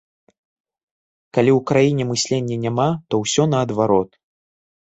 Калі ў краіне мыслення няма, то ўсё наадварот.